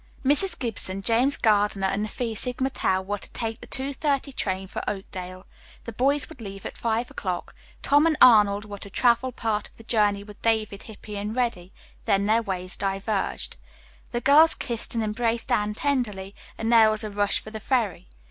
Mrs. Gibson, James Gardiner and the Phi Sigma Tau were to take the 2.30 train for Oakdale. The boys would leave at five o'clock. Tom and Arnold were to travel part of the journey with David, Hippy and Reddy. Then their ways diverged. The girls kissed and embraced Anne tenderly, then there was a rush for the ferry.